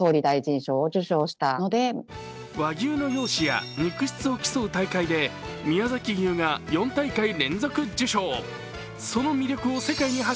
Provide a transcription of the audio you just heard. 和牛の容姿や肉質を争う大会で宮崎牛が４大会連続優勝。